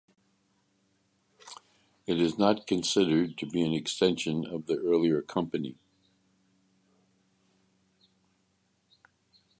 It is not considered to be an extension of the earlier company.